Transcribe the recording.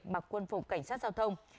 mặc quân phục cảnh sát giao thông